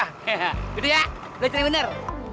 hehehe gitu ya belajar yang bener